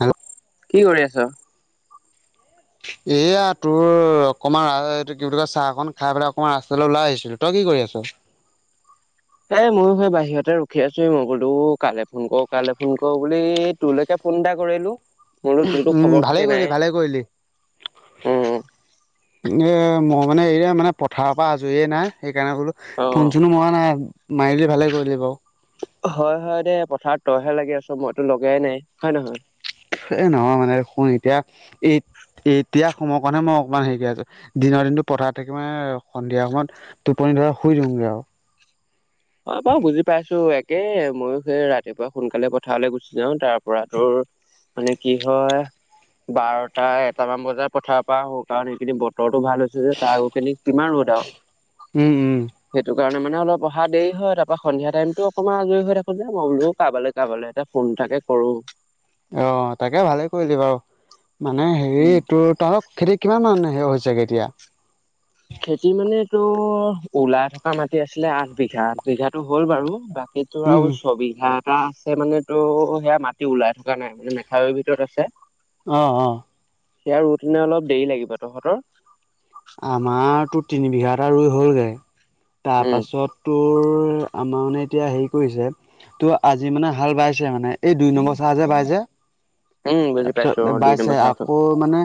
Hello কি কৰি আছ? এইয়া তোৰ অকণমান ৰাস এইটো কি বুলি কয় চাহকণ খাই পেলাই অকণমান ৰাস্তালৈ ওলাই আহিছিলো। তই কি কৰি আছ? এ ময়ো সেই বাহিৰতে ৰখি আছো মগলো কালে ফোন কৰো কালে ফোন কৰো বুলি তোলৈকে ফোন এটা কৰিলো মোলো তোৰতো উম খবৰ ভালে খাতি কৰিলি নাই। ভালে কৰিলি। উ। এই মই মানে এইয়া মানে পথাৰৰ পৰা আজৰিয়ে নাই সেইকাৰণে বোলো অ ফোন চোনো মৰা নাই মাৰিলি ভালে কৰিলি বাও। হয় হয় দে পথাৰত তইহে লাগি আছ মইতো লগাই নাই হয় নহয়? এ নহয় মানে শুন এতিয়া এইট এতিয়া সময়ৰ কণহে মই অকণমান হেৰিকে আছো দিনৰ দিনটো পথাৰত থাকি মানে সন্ধিয়া সময়ত টোপনি ধৰে শুই দিওগে আও। অ বাৰু বুজি পাইছোঁ একে ময়ো সেই ৰাতিপুৱা সোনকালে পথাৰলৈ গুচি যাওঁ তাৰ পৰা তোৰ মানে কি হয়, বাৰটা এটামান বজাই পথাৰৰ পৰা আহো কাৰণ সেইখিনি বত- তৰটো ভাল হৈছে যে তা আগখিনিক কিমান ৰ'দ আও। উম উম। সেইটো কাৰণে মানে অলপ অ- হা দেৰি হয় তা পা সন্ধিয়া টাইমতো অকণমান আজৰি হৈ থাকো যে মই বোলো কাবালৈ কাবালৈ এটা ফোন তাকে কৰো। অ তাকে ভালে কৰিলি বাৰু মানে উম হেৰি তোৰ তৰক খেতি কিমান মানে সে হৈছেগৈ এতিয়া? খেতি মানেটো ওলাই থকা মাটি আছিলে আঠ বিঘা আঠ বিঘাতো হ'ল বাৰু। বাকী তোৰ আও উম ছবিঘা এটা আছে মানে তো সেয়া মাটি ওলাই থকা নাই মানে মেঠাইৰ ভিতৰত আছে। অ অ। সেয়া ৰুই পিনে অলপ দেৰি লাগিব। তহঁতৰ? আমাৰতো তিনি বিঘা এটা ৰুই হ'লগে উম তাৰপাছত তোৰ আমাৰ মানে এতিয়া হেৰি কৰিছে ত আজি মানে হাল বাইছে মানে এই দুই নম্বৰ চাহ যে বাই যে উম বুজি তাপিছত পাইছো অ দুই বাইছে নম্বৰ চাহটো আকৌ মানে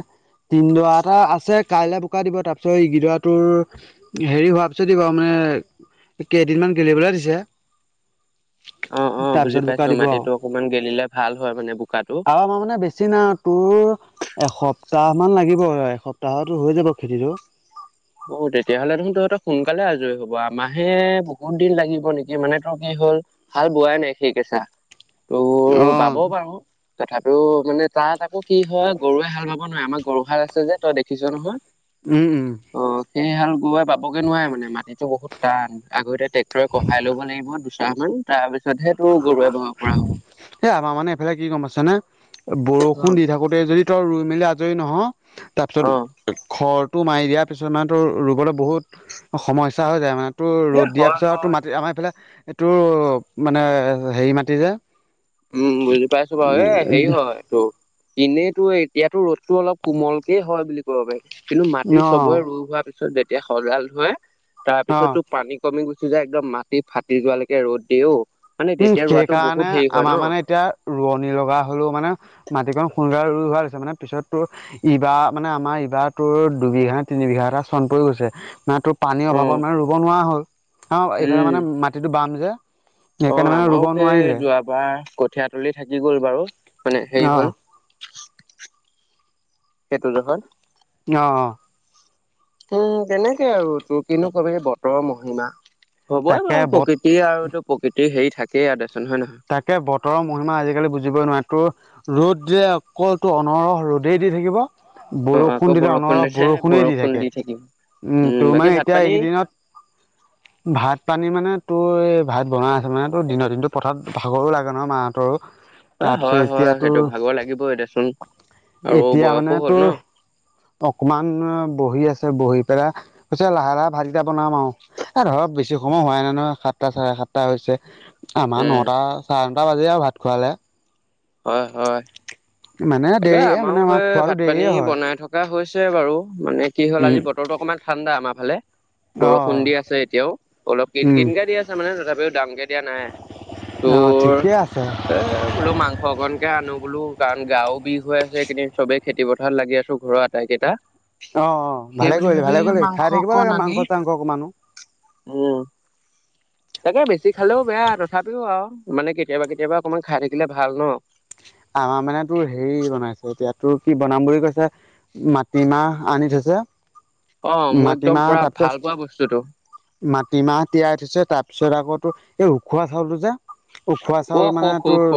তিনদৰা এটা আছে কাইলে ককা দিব তাৰপিছত এই গিডৰাটোৰ হেৰি হোৱাৰ পিছত দিব মানে কেইদিনমান গেলিবলে দিছে। অ অ বুজি তাৰপিছত বোকা পাইছো দিব আৰু মাটিতটো অকমান গেলিলে ভাল হয় মানে বোকাটো। অ মই মানে বেছ- চিনা তোৰ এসপ্তাহ মান লাগিব এসপ্তাহতো হৈ যাব খেতিটো। অ তেতিয়াহ'লে দেখোন তহঁতৰ সোনকালে আজৰি হব আমাহে বহুত দিন লাগিব নেকি মানে তোৰ কি হ'ল হাল বোৱাই নাই সেইকেছা তোৰ অ বাব বাৰু। তথাপিও মানে তাত আকৌ কি হয় গৰুৱে হাল বাব নোৱাই আমাৰ গৰু হাল আছে যে তই দেখিছ নহয়। উম উম। অ সেই হাল গৰুৱে বাবগে নোৱাৰে মানে মাটিতো বহুত টান আগতে ট্ৰেক্টৰে কহাই লব লাগিব দুচামান তাৰ পিছ- এ আমাৰ মানে এফালে কি গম পাইছনে বৰষুণ অ' দি থাকোত- তে যদি তই ৰুই মেলি আজৰি নহ তাপিছত অ' খৰটো মাৰি দিয়াৰ পিছত মানে তোৰ ৰুবলৈ বহুত সমস্যা হৈ যায় মানে। তোৰ এ ৰ'দ দিয়াৰ হয় পিছত হয় টো মাটি আমাৰ এইফালে তোৰ মানে হেৰি মাটি যে উম বুজি পাইছো বাৰু এ হেৰি হয় তোৰ এনেইতো এতিয়াতো ৰ'দতো অলপ কোমলকেই হয় বুলি ক'ব পাৰি কিন্তু মাটি চবৰে ৰু হোৱা পিছত যেতিয়া সজাল ধৰে তাৰ অ অ পিছতো পানী কমি গুছি যায় একদম মাটি ফাটি যোৱালৈকে ৰ'দ অ। উম সেইকাৰণে আমাৰ মানে - এতিয়া ৰোৱনী লগা হ'লেও মানে মাটিকণ সোনকালে ৰুইলো হৈছে, মানে পিছত তোৰ - ইবাৰ মানে আমাৰ ইবাৰ তোৰ দুবিঘা তিন বিঘা এটা চন পৰি গৈছে, মানে তোৰ পানীৰ অভাৱ অভাৱত মানে ৰুব নোৱাৰা হ'ল, হা এইফালে উম, মানে মাটিটো বাম যে। অ সেইকাৰণে মানে আমাৰো ৰুব সেই নোৱাৰিলে যোৱাবাৰ কঠিয়া তলি থাকি গ'ল বাৰু মানে হেৰি অঁ হ'ল - সেইটো যে হ'ল। অ অ। উম তেনেকে আৰু কিনো কবি বতৰৰ মহিমা। হ'বই তাকে বাৰু বত প্ৰকৃতি আৰু এইটো প্ৰকৃতিৰ হেৰি থাকেই আও দেচোন হয় নহয়। তাকে বতৰৰ মহিমা আজিকালি বুজিবই নোৱাৰি। তোৰ - ৰ'দ যে অকল তোৰ অনৰহ ৰ'দেই দি থাকিব। অ আকৌ বৰষুণ দিলে অনৰহ দিছে বৰষুণে দি বৰষুণ থাকে, থাকিম উম তোৰ বাকী মানে ভাত এতিয়া পানী এইকেইদিনত - ভাত পানী মানে তোৰ এই ভাত বনাই আছে মানে তোৰ দিনৰ দিনটো পথাত- ভাগৰো লাগে নহয় মাহঁতৰো। অ তাৰপিছত হয় হয় এতিয়া তোৰ সেইটো ভাগৰ লাগিবই দেচোন আৰু এতিয়া মানে বয়সো হ'ল তোৰ ন। অকমান বহি আছে বহি পেলাই, কৈছে লাহে লাহে ভাত কেইটা বনাম আও। এ ধৰক বেছি সময় হোৱাই নাই নহয় সাতটা চাৰে সাতটা হৈছে। আমাৰ উম নটা চাৰে নটা বাজি আও ভাত খোৱালে। হয় হয়, মানে তাকে দেৰিয়ে মানে আমাৰো আমাৰ সেই খোৱাটো ভাত পানী দেৰিয়ে হয়। বনাই থকা - থকা হৈছে বাৰু, মানে কি হ'ল আজি উম, বতৰটো অকমান ঠাণ্ডা আমাৰ ফালে। বৰষুণ অ', দি আছে এতিয়াও অলপ কিন উম, কিনকে দি আছে মানে তথাপিও ডাঙৰ কে - দিয়া নাই, অ', তোৰ ঠিকেই আছে। - এ বোলো মাংস অকনকে আনো বোলো কাৰণ গাও - বিষ হৈ আছে এইকেইদিন চবেই খেতি পথাৰত লাগি আছো ঘৰৰ আটাইকেইটা। অ অ সেই ভালেই বুলি কৰিলি ভাবি ভালেই কৰিলি, মাংস খাই থাকিব অকণ লাগে আনি মাংস চাংস অকমানো। উম। তাকে বেছি খালেও বেয়া তথাপিও আও মানে কেতিয়াবা কেতিয়াবা অকণমান খাই থাকিলে ভাল ন। আমাৰ মানে তোৰ হেৰি বনাইছে এতিয়া তোৰ কি বনাম বুলি কৈছে? মাটিমাহ আনি থৈছে। অ মোৰ একদম মাটিমাহ পুৰা তাৰপিছত ভাল পোৱা বস্তুটো এইটো। মাটিমাহ তিয়াই থৈছে তাৰপিছত আকৌ তোৰ এই উখোৱা চাউলটো যে - উখোৱা অ চাউল হ মানে হ তোৰ হ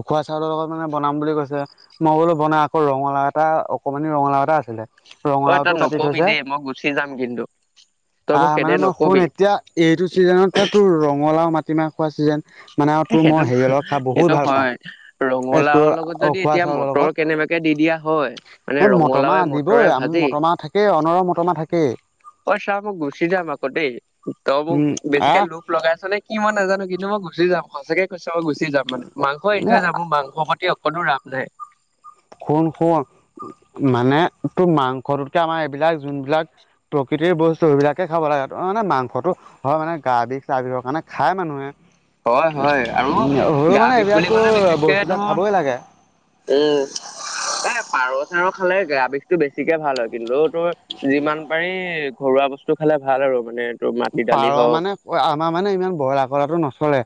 উখোৱা চাউলৰ লগত মানে বনাম বুলি কৈছে। মই বোলো বনাই আকৌ ৰঙাও এটা অকমানি ৰঙালাও এটা আছিলে - অ তই ৰঙালাওটো কাটি নকবি থৈছে, দেই মই গুচি যাম কিন্তু তই মোক আহ সেইদে মানে মই শুন নকবি এতিয়া - এইটো ছিজনতে টো ৰঙালাও মাটিমাহ খোৱা ছিজন। মানে আৰু এ তোৰ মই সেইটো হেৰিয়ৰ লগত খাই সেইটো বহুত ভাল পাওঁ। হয় এই তোৰ ৰঙালাওৰ লগত যদি উখোৱা এতিয়া চাউলৰ মটৰ কেনেবাকে দি দিয়া হয় লগত, মানে এ ৰঙালাওে মটৰমাহ মটৰে দিবই আম ভাজি মটৰ মাহ - থাকেই অনৰহ মতমাহ থাকেই। অ চা মই গুচি যাম আকৌ দেই ত মোক উম বেছিকে আহ লোভ- লগাইছ নে কি মই নাজানো কিন্তু মই গুচি যাম সঁচাকে - কৈ গুচি যাম মানে, মাংস এ এৰিথৈ যামো মাংস প্ৰতি অকনো ৰাপ নাই। শুন শুন, মানে তো মাংসটোতকে আমাৰ এইবিলাক যোনবিলাক - প্ৰকৃতিৰ বস্তু সেইবিলাকে খাব লাগে। মানে মাংসটো- হয় মানে গা বিষ চাহ বিষৰ কাৰণে খাই মানুহে - হয় হয় আৰু উ সৰু গা মানে বিষ বুলি এইবিলাকতো বস্তুবিলাক খাবই লাগে। উ এ পাৰ চাৰ খালে গা বিষটো বেছিকে ভাল হয়, কিন্তু তোৰ যিমান পাৰি ঘৰুৱা বস্তু টো খালে ভাল আৰু মানে তোৰ মাটি দালি পাৰ হওক মানে আমাৰ মানে ইমান ব্ৰইলাৰ খোৱাটো নচলে,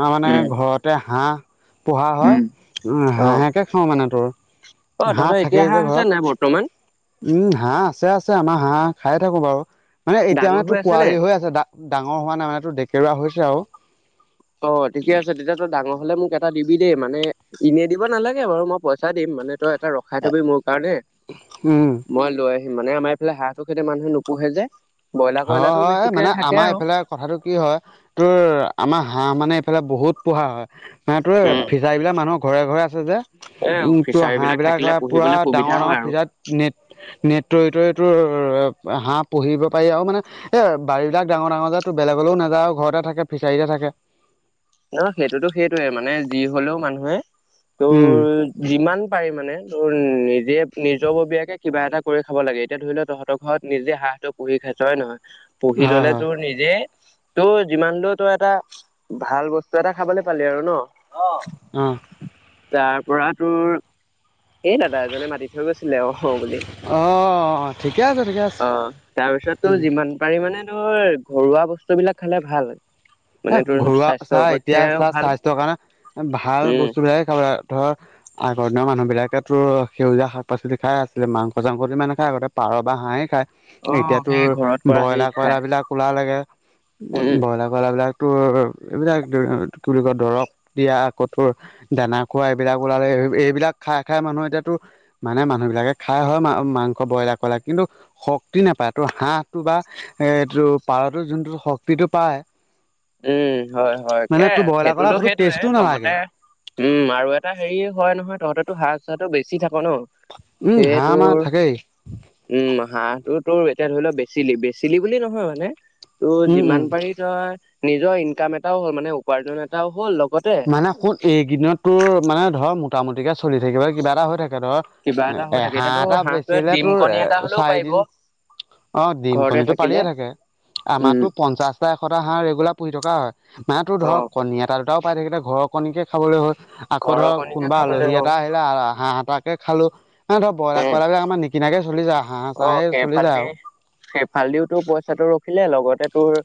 মানে উম ঘৰতে হাঁহ পোহা হয়, উম উম হাঁহকে খাওঁ মানে তোৰ অই হাঁহ তহঁতৰ থাকেই এতিয়া যে হাহ ঘৰত আছে নাই বৰ্তমান? উম হাঁহ আছে আছে, আমাৰ হাঁহ খাই থাকো বাৰু, মানে এতিয়া ডাঙৰ মানে তো হৈ আছে নে পোৱালি হৈ আছে। ডাঙৰ হোৱা নাই মানে তোৰ, ডেকেৰুৱা হৈছে আৰু। অ ঠিকে আছে তেতিয়া তই ডাঙৰ হলে মোক এটা দিবি দেই মানে এনে দিব নালাগে বাৰু, মই পইচা দিম মানে তই এটা ৰখাই থবি মোৰ কাৰণে। উম মই লৈ আহিম মানে আমাৰ এইফালে হাঁহটো কেতিয়াও মানুহে নোপোহে যে ব্ৰইলাৰ হয় কইলাৰটো হয় বেছিকে মানে থাকে আমাৰ আৰু এইফালে কথাটো কি হয়, তোৰ আমাৰ হাঁহ মানে এইফালে বহুত পোহা হয়। হাঁহটো এই ফিচাৰী বিলাক মানুহৰ ঘৰে ঘৰে আছে যে, এ উম, তোৰ ফিচাৰী হাঁহ বিলাক থাকিলে পুৰা পুহিবলৈ সুবিধা ডাঙৰ ডাঙৰ হয় আৰু। ফিজাৰ নেট, নেট তৰি তৰি তোৰ হাঁহ পুহিব পাৰি আৰু মানে, এ বাৰী বিলাক ডাঙৰ ডাঙৰ যে, তোৰ বেলেগলৈও নাযায় আৰু ঘৰতে থাকে, ফিচাৰীতে থাকে। নহয় সেইটোতো সেইটয়ে মানে যি হলেও মানুহে উম তোৰ যিমান পাৰি মানে তোৰ নিজে নিজববীয়াকে কিবা এটা কৰি খাব লাগে, এতিয়া ধৰি ল তহঁতক ঘৰত নিজে হাঁহটো পুহি খাইছ হয় নে নহয়? পুহি হয় ললে হয় তোৰ নিজে তোৰ যিমান দ তোৰ এটা ভাল বস্তু বস্তু এটা খাবলে পালি আৰু ন? অ তাৰ পৰা তোৰ এ দাদা এজনে মাতি থৈ গৈছিলে অ বুলি অঁ অ তাৰপিছত তোৰ উম, যিমান পাৰি মানে ধৰ ঘৰুৱা বস্তু বিলাক খালে ভাল। এ মানে তোৰ ঘৰুৱা স্বাস্থ্যৰ চাহ এতিয়া পক্ষেও চাহ ভাল স্বাস্থ্যৰ কাৰণে ভাল উম বস্তুবিলাকে খাব লাগে ধৰ আগৰ দিনৰ মানুহবিলাকেতো সেউজীয়া শাক পাচলি খাই আছিলে মাংস চাংস সিমান নাখায়, আগতে পাৰ বা হাঁহেই খায় অ এতিয়াতো সেই ঘৰত কৰা ব্ৰইলা হেৰি খাই কইলাৰ বিলাক ওলালেগে, উম ব্ৰইলাৰ কইলাৰ বিলাক তোৰ এইবিলাক কি বুলি কয় দৰৱ দিয়া কতোৰ দানা খোৱা এইবিলাক ওলালে, এইবিলাক খাই খাই মানুহে এতিয়াতো মানে মানুহবিলাকে খাই হয় মা মাংস ব্ৰইলা কইলা কিন্তু, শক্তি নাপায়, তোৰ হাঁহটো বা এ তটো পাৰতো যোনটো শক্তিটো পায় উম হয় হয়। মানে এ তোৰ ব্ৰইলাৰ কলা সেইটোতো সতো সেইটোয়ে টেষ্টো নালাগে লগতে উম, আৰু এটা হেৰি হয় নহয় তহতেতো হাঁহ চাহটো বেছি থাক ন? উম হাঁহ মাহ সেইটোৰ থাকেই উম হাঁহ তটো তোৰ এতিয়া ধৰি লও বেচিলি, বেচিলি বুলি নহয় মানে তোৰ উম উম যিমান পাৰি নিজৰ নিজৰ ইনকাম এটাও হ'ল মানে, উপাৰ্জন এটাও হ'ল লগতে মানে ক'ত এইকদিনতো মানে ধৰক মোটামুটিকৈ চলি থাকিব বা কিবা এটা হৈ থাকে ধৰক কিবা এটা হৈ এ থাকে এতিয়াতো হাঁহ এটা হাঁহটোৱে বেচিলে ডিম তোৰ কণী এটা হলেও পাৰিব চাৰিদিন অ ডিম ঘৰতে কণীটো থাকিলে পাৰিয়ে থাকে উম আমাতো পঞ্চাশ টা, এশটা হাঁহ ৰেগুলাৰ পুহি থকা হয় মাহটো অ ধৰক কণী এটা, দুটাও পাই থাকিলে ঘৰৰ কণীকে খাবলৈ হয় আকৌ ঘৰৰ ধৰক কণীকে কোনোবা খাবলৈ আলহী হওঁ। এটা আহে- হিলে আৰ হাঁহ এটাকে খালো ধৰ ব্ৰইলাৰ উম কইলা বিলাক আমাৰ নিকিনাকে চলি যায় হাঁহ অ চাঁহে চলি যায় সেফালেদি আৰু সেইফালেদিও তোৰ পইচাটো ৰখিলে লগতে তোৰ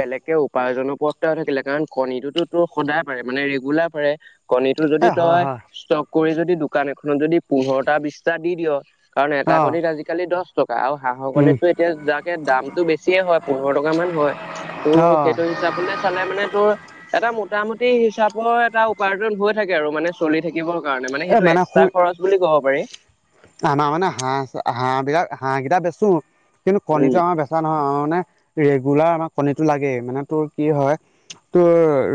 বেলেগকে উপাৰ্জনৰ পথ এটাও থাকিলে কাৰণ কণীটোতো তোৰ সদায় পাৰে মানে ৰেগুলাৰ পাৰে। কণীটো এ যদি হয় তই হয় ষ্টক কৰি যদি দোকান এখনত যদি পোন্ধৰটা, বিশটা দি দিয় কাৰণ এটা অ কণীত আজিকালি দহ টকা আৰু হাঁহৰ উম কণীততো এতিয়া যাকে দামটো বেছিয়ে হয় পোন্ধৰ টকা মান হয় ত' অ সেইটো হিচাপলে চালে মানে তোৰ এটা মোটামুটি হিচাপৰ এটা উপাৰ্জন হৈ থাকে আৰু মানে চলি থা- থাকিবৰ কাৰণে মানে এ সেইটো এক্সট্ৰা শুই খৰচ বুলি কব পাৰি। আমাৰ মানে হাঁহ হাঁহ বিলাক হাঁহ কেইটা বেচো কিন্তু উম কণীটো আমাৰ বেচ- চা নহয় মানে ৰেগুলাৰ আমাৰ কণীটো লাগেই মানে তোৰ কি হয় তোৰ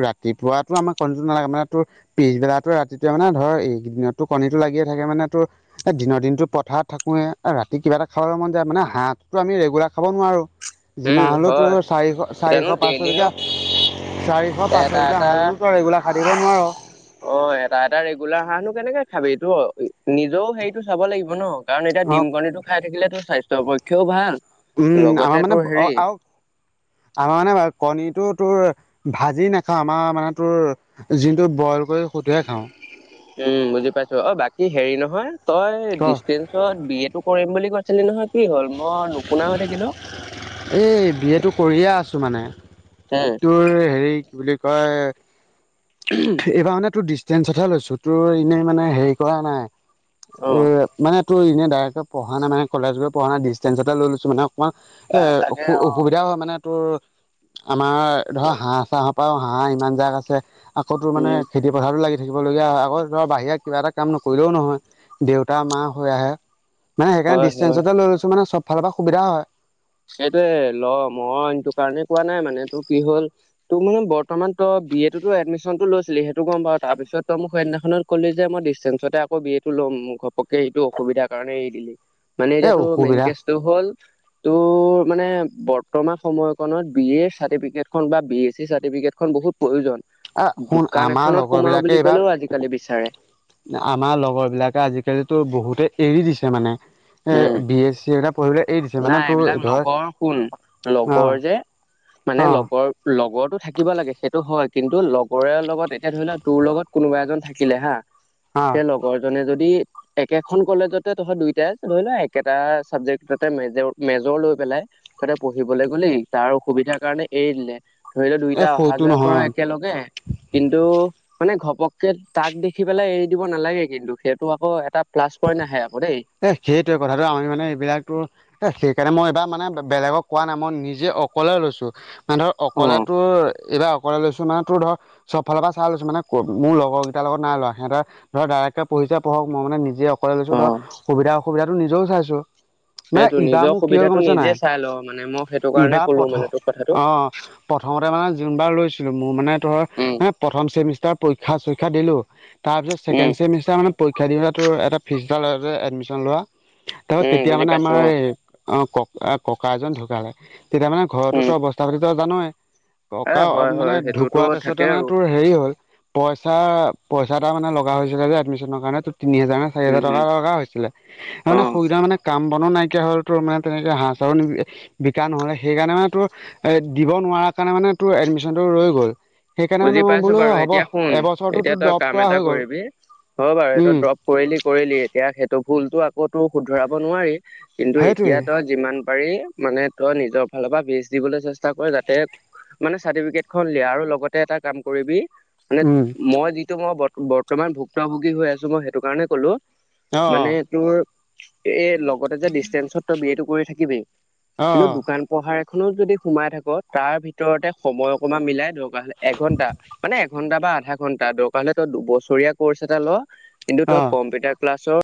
ৰাতিপুৱাতো আমাৰ কণীটো নালাগে মানে তোৰ পিছবেলাতো ৰাতিটোৱে মানে ধৰ এইকেইদিনতটো কণীটো লাগিয়ে থাকে মানে তোৰ এ দিনৰ দিনতো পথাৰত থাকোয়ে এ ৰাতি কিবা এটা খাবলৈ মন যায় মানে হাঁহ টোতো আমি ৰেগুলাৰ খাব নোৱাৰো। উম যিমান হলেও হয় তোৰ চাৰিশ এতিয়ানো চাৰিশ, পাঁচশ ডেইলিনো টকীয়া চাৰিশ, পাঁছশ এটা টকীয়া এটা হাঁহ টোতো তই ৰেগুলাৰ খাই থাকিব নোৱাৰ। অ এটা এটা ৰেগুলাৰ হাঁহনো কেনেকে খাবি এইটো নিজেও হেৰিটো চাব লাগিব ন কাৰণ এতিয়া ডিম কণীটো খাই থাকিলে তোৰ স্বাস্থ্যৰ পক্ষেও ভাল উম আমাৰ লগতে মানে তোৰ হেৰি আৰু আমাৰ মানে বাৰু কণীটো তোৰ ভাজি নাখাওঁ আমাৰ মানে তোৰ যিটোত বইল কৰি সুতোহে খাওঁ। উম বুজি পাইছো অ বাকী হেৰি নহয় তই ডিচটেন্স- ত বি এ টো কৰিম বুলি কৈছিলি নহয় কি হ'ল মই নুশুনা হৈ থাকিলো। এই বি এটো কৰিয়ে আছো মানে উম তোৰ হেৰি কি বুলি কয় উহুম এইবাৰ মানে তোৰ ডিচষ্টেঞ্চতহে লৈছোঁ তোৰ এনেই মানে হেৰি কৰা নাই অ এই মানে তোনে এনে ডাইৰেক্টকে পঢ়া নাই মানে কলেজ গৈ পঢ়া নাই ডিষ্টেঞ্চতে লৈছো মানে অ- কমান এ তাকে অসু অ অসুবিধা হয় মানে তোৰ আমাৰ ধৰ হাঁহ চাহৰ পৰাও হাঁহ ইমান জাক আছে আকৌ মানে উম খেতি পথাৰতো লাগি থাকিবলগীয়া হয় আকৌ ধৰ বাহিৰা কিবা এটা কাম নকৰিলেও নহয়। দেউতা মা হৈ আহে মানে সেইকাৰণে হয় হয় ডিষ্টেঞ্চতে লৈ লৈছো মানে চব ফালৰ পৰা সুবিধা হয়। সেইটোয়ে ল মই এইটো কাৰণে কোৱা নাই মানে তোৰ কি হ'ল তোৰ মানে বৰ্তমান তই বি এ টোতো এডমিচনটো লৈছিলি সেইটো গম পাওঁ তাৰপিছত তই মোক সেইদিনাখনত কলি যে মই ডিচটেন্সতে আকৌ বি এটো ল'ম ঘপকে সেইটো অসুবিধাৰ কাৰণে এৰি দিলি। মানে এ এতিয়া তোৰ মেইন অসুবিধা কেচটো হ'ল তোৰ মানে বৰ্তমান সময়কনত বি এৰ চাৰ্টিফিকেট খন বা বি এছ চি চাৰ্টিফিকেট খন বহুত এ প্ৰয়োজন শুন দোকান আমাৰ এখনত লগৰ সোমাও বিলাকে বুলি ক'লেও এইবাৰ আজিকালি বিচাৰে। আমাৰ লগৰ বিলাকে আজি-কালিতো বহুতে এৰি দিছে মানে উম, এ বি এ চি এ এটা পঢ়িবলে এৰি দিছে নাই মানে তোৰ এইবিলাক ধৰ লগৰ শুন অ লগৰ যে মানে অ লগৰ লগৰটো থাকিব লাগে সেইটো হয় কিন্তু লগৰীয়া লগত এতিয়া ধৰি লোৱা তোৰ লগত কোনোবা এজন থাক- কিলে হা অ তে লগৰ জনে যদি একেখন কলেজতে তহত দুইটাই ধৰি লোৱা একেটা চাবজেক্ট, তাতে মেজৰ মেজৰ লৈ পেলাই তাতে পঢ়িবলৈ গ'লে তাৰ অ সুবিধাৰ কাৰণে এৰি দিলে। ধৰি লও দুইটা এই অহা সৰুটো যোৱা কৰ নহয় একেলগে কিন্তু, মানে ঘপককে তাক দেখি পেলাই এৰি দিব নালাগে কিন্তু সেইটো আকৌ এটা প্লাছ পইণ্ট আহে আকৌ দেই। এই সেইটোৱে কথাটো আমি মানে এইবিলাকতো। এ সেইকাৰণে মই এইবাৰ মানে বেলেগক কোৱা নাই মই নিজে অকলে লৈছো। নানে ধৰ অ অকলেটোৰ এইবাৰ অকলে লৈছোনাটোৰ ধৰক। চব ফালৰ পৰা চাই লৈছো মানে মোৰ লগৰ কেইটাৰ লগত নাই লোৱা সিহঁতৰ ধৰ ডাইৰেকে পঢ়িছে পঢ়ক মই মানে নিজে অকলে লৈছো অ ধৰ সুবিধা অসুবিধাটো নিজেও চাইছো। মানে সেইটো ইবাৰ নিজৰ মোক কি হয় গম সুবিধাটো পাইছো নাই নিজে চাই ল মানে মই সেইটো কাৰণে ইবাৰ কলো প্ৰথম মানে তোৰ কথাটো অ, প্ৰথমতে মানে যোনবাৰ লৈছিলোঁ মোৰ মানে ধৰ উম মানে প্ৰথম চেমিষ্টাৰ, পৰীক্ষী চৰীক্ষা দিলো তাৰ পিছত উম ছেকেণ্ড ছেমিষ্টাৰ মানে পৰীক্ষা দিওতে তোৰ এটা ফিছ এটা লয় যে লোৱা তাৰপিছত উম, তেতিয়া বুজি মানে পাইছো অ, আমাৰ এই, অ ক ককা এজন ঢুকালে তেতিয়া মানে ঘৰতো উম। তো অৱস্থা পাতিতো জানৱই, এ ককা হয় মানে হয় সেইটোতো ঢুকোৱা থাকে পিছতে আৰু মানে তোৰ হেৰি হ'ল। পইচা পইচা এটা মানে লগ হৈছিলে যে এডমিশ্যন কাৰণে ত তিনি হাজাৰ নে চাৰি উম হাজাৰ হম টকা লগা হৈছিলে। অ। মানে সুবিধাম মানে কাম বনো নাইকিয়া হ'ল তোৰ মানে তেনেকে হাঁহ চাও বিকা নহ'লে সেইকাৰণে মানে তোৰ। এ দিব নোৱাৰা কাৰণে মানে তোৰ এডমিশ্যন টো ৰৈ গ'ল। সেইকাৰণে মানে বুজি মই পাইছো বোলো বাৰু হ'ব এতিয়া শুন এবছৰটো এতিয়া তোৰ তই ড্ৰপ কাম কৰা এটা হৈ গ'ল কৰিবি হব বাৰু এই তই উম দ্ৰপ, কৰিলি কৰিলি এতিয়া সেইটো ভুলতো আকৌটো শুধৰাব নোৱাৰি কিন্তু সেইটোৱে এতিয়া তই। যিমান পাৰি মানে তই নিজৰ ফালৰ পৰা বেষ্ট দিবলে চেষ্টা কৰ যাতে। মানে চাৰ্টিফিকেট খন লিয়া আৰু লগতে এটা কাম কৰিবি মানে উম মই যিটো মই, অকমান ভুক্তভোগী হৈ আছো মই সেইটো কাৰণে কলো অ মানে তোৰ এই, লগতে যে ডিচটেন্সত তই বিয়েটো কৰি থাকিবি অ কিন্তু দোকান। পাঢ়াৰ খিনিও যদি সোমাই থাক তাৰ ভিতৰতে সময় অকা মিলাই দৰকাৰ। হলে এঘন্টা মানে এঘন্টা বা আধা ঘণ্টা দৰকাৰ হলে তই দুবছৰীয়া কৰ্চ এটা ল, কিন্তু অ তই কম্পিউটাৰ ক্লাছৰ।